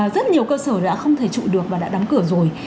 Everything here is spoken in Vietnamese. rất nhiều cơ sở đã không thể trụ được và đã đóng cửa rồi